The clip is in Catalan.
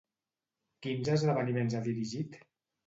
Quins esdeveniments ha dirigit?